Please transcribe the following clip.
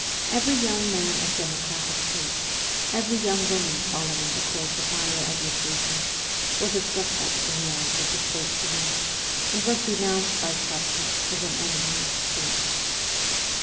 Every young man of democratic tastes, every young woman following a course of higher education, was a suspect in the eyes of the state police, and was denounced by Katkoff as an enemy of the state.